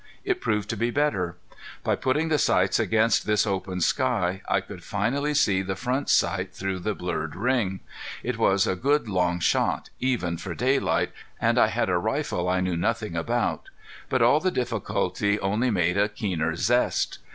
It proved to be better. By putting the sights against this open sky I could faintly see the front sight through the blurred ring. It was a good long shot even for daylight, and I had a rifle I knew nothing about. But all the difficulty only made a keener zest.